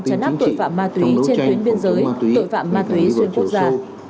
chấn áp tội phạm ma túy trên tuyến biên giới tội phạm ma túy xuyên quốc gia